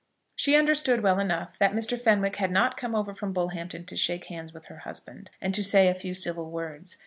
She understood well enough that Mr. Fenwick had not come over from Bullhampton to shake hands with her husband, and to say a few civil words.